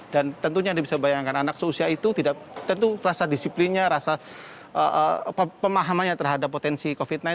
dan tentunya anda bisa bayangkan anak seusia itu tidak tentu rasa disiplinnya rasa pemahamannya terhadap potensi covid sembilan belas